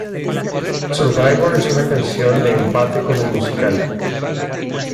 Survivor es una canción de empate con el musical.